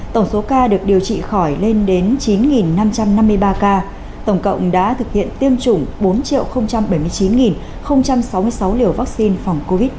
tổng số ca được điều trị khỏi lên đến chín năm trăm năm mươi ba ca tổng cộng đã thực hiện tiêm chủng bốn bảy mươi chín sáu mươi sáu liều vaccine phòng covid một mươi chín